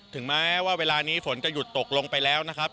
ถึงแม้ว่าเวลานี้ฝนจะหยุดตกลงไปแล้วนะครับ